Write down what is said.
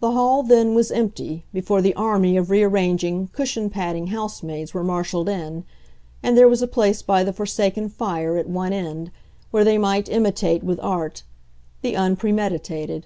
The hall then was empty, before the army of rearranging, cushion patting housemaids were marshalled in, and there was a place by the forsaken fire, at one end, where they might imitate, with art, the unpremeditated.